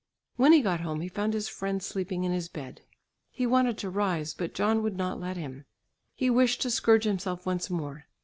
When he got home he found his friend sleeping in his bed. He wanted to rise but John would not let him. He wished to scourge himself once more.